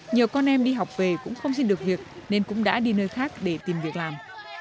nhiều con em đi học về cũng không xin được việc nên cũng đã đi nơi khác để tìm việc làm